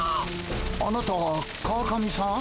あなたは川上さん？